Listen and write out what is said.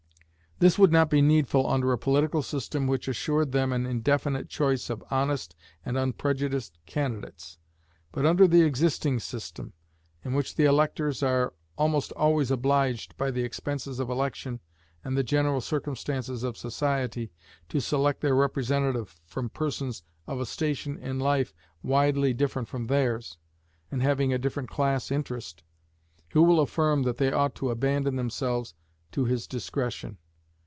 This would not be needful under a political system which assured them an indefinite choice of honest and unprejudiced candidates; but under the existing system, in which the electors are almost always obliged, by the expenses of election and the general circumstances of society, to select their representative from persons of a station in life widely different from theirs, and having a different class interest, who will affirm that they ought to abandon themselves to his discretion?